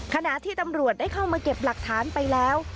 ขณะที่ตำรวจได้เข้ามาเก็บหลักฐานไปแล้ว